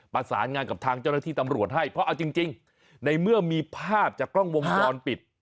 ประสานงานกับทางเจ้าหน้าที่ตำรวจให้เพราะเอาจริงในเมื่อมีภาพจากกล้องวงจรปิด